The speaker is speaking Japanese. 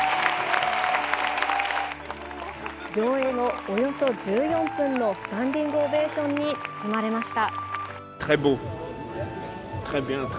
上映後、およそ１４分のスタンディングオベーションに包まれました。